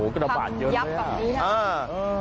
พันยับแบบนี้ครับ